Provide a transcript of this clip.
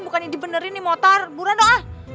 bukannya dibenerin nih motor buruan dong ah